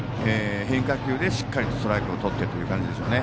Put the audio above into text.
変化球でしっかりとストライクをとってという感じでしょうね。